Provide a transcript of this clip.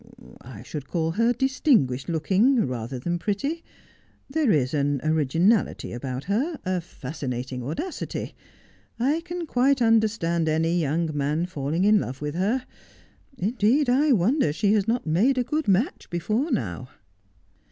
' I should call her distinguished looking, rather than pretty. There is an originality about her, a fascinating audacity. I can quite understand any young man falling in love with her. In deed, I wonder she has not made a good match before now.'